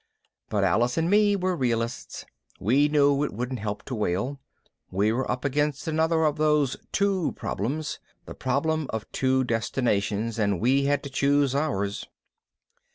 But Alice and me were realists. We knew it wouldn't help to wail. We were up against another of those "two" problems, the problem of two destinations, and we had to choose ours.